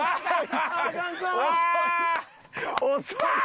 遅い！